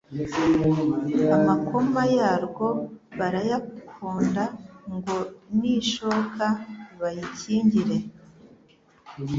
Amakoma yarwo barayakond Ngo nishoka bayikingire